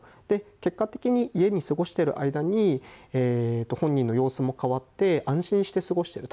結果的に家で過ごしている間に本人の様子も変わって安心して過ごしている。